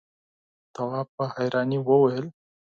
تواب په حيرانی وويل: